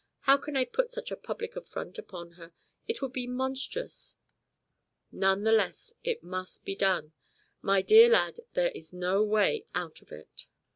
How can I put such a public affront upon her. It would be monstrous." "None the less it must be done. My dear lad, there is no way out of it."